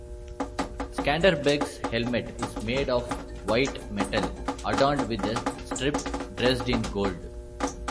Skanderbeg's helmet is made of white metal, adorned with a strip dressed in gold.